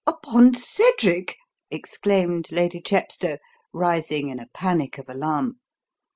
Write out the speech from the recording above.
"Upon Cedric!" exclaimed Lady Chepstow, rising in a panic of alarm.